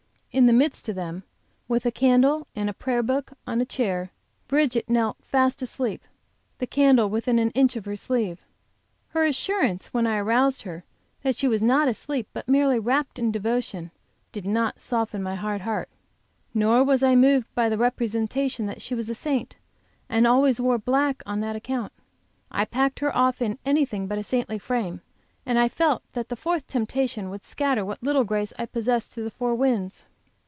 In the midst of them, with a candle and prayer book on a chair, Bridget knelt fast asleep, the candle within an inch of her sleeve. Her assurance when I aroused her that she was not asleep, but merely rapt in devotion, did not soften my hard heart, nor was I moved by the representation that she was a saint, and always wore black on that account. I packed her off in anything but a saintly frame, and felt that a fourth Temptation would scatter what little grace I possessed to the four winds.